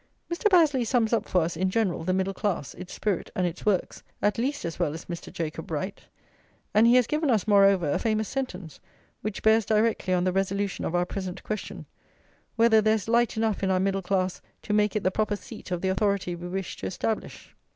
Mr. Bazley sums up for us, in general, the middle class, its spirit and its works, at least as well as Mr. Jacob Bright; and he has given us, moreover, a famous sentence, which bears directly on the resolution of our present question, whether there is light enough in our middle class to make it the proper seat of the authority we wish to establish.